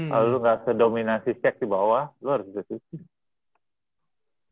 kalau lo nggak sedominasi check di bawah lo harus bisa shooting